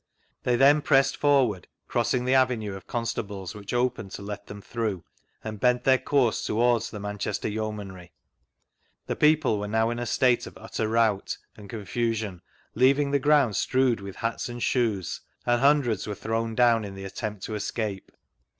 They then pressed forward, crossing the avenue of constables, which opened to let them through, and bent their course towards the Manchester Yeomanry. The people were now in a state of utter rout and confusifHi, leaving the ground strewed with hats and shoes, and hundreds were thrown down in the attempt to escape.